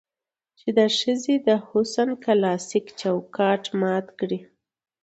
چې د ښځې د حسن کلاسيک چوکاټ مات کړي